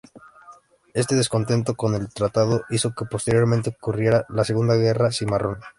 Este descontento con el tratado hizo que posteriormente ocurriera la Segunda Guerra Cimarrón.